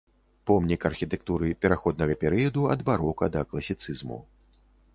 Помнік архітэктуры пераходнага перыяду ад барока да класіцызму.